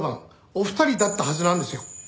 お二人だったはずなんですよ。